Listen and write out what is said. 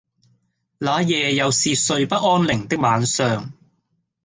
那夜又是睡不安寧的晚上